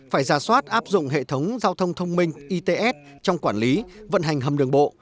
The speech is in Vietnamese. phải ra soát áp dụng hệ thống giao thông thông minh its trong quản lý vận hành hầm đường bộ